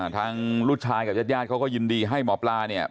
ทั้งลูกชายกับญาติเบาเข้ายินดีให้หมอปลาเนี่ย